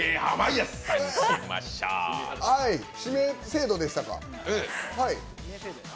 指名制度でしたか。